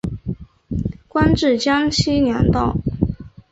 官至江西粮道。